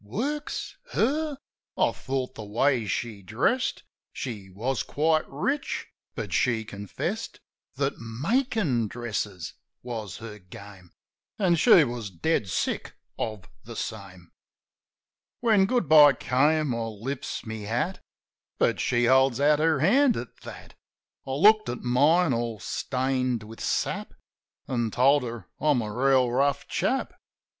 Works? Her? I thought, the way she dressed, She was quite rich; but she confessed That makin' dresses was her game. An' she was dead sick of the same. When Good bye came, I lifts my hat; But she holds out her hand at that. I looked at mine, all stained with sap. An' told her I'm a reel rough chap.